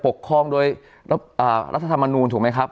ปกครองโดยรัฐธรรมนูลถูกไหมครับ